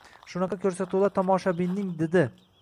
Shunaqa ko‘rsatuvlar tomoshabinning didi